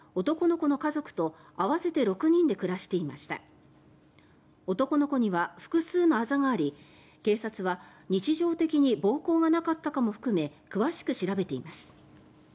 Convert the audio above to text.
男の子には複数のあざがあり警察は日常的に暴行がなかったかも含め詳しく調べています。